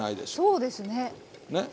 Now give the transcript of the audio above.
あそうですね。